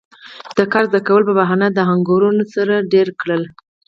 د کار زده کولو پۀ بهانه د آهنګرانو سره دېره کړل